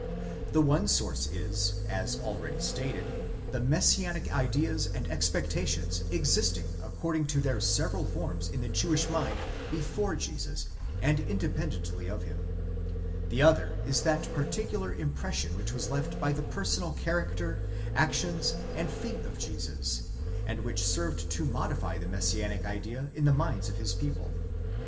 The one source is, as already stated, the Messianic ideas and expectations existing according to their several forms in the Jewish 'mind before Jesus, and independently of him; the other is that particular impression which was left by the personal character, actions, and fate of 'Jesus, and which served to modify the Messianic idea in the minds of his. people.